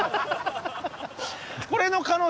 これの可能性高い？